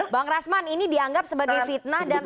bang rasman ini dianggap sebagai fitnah dan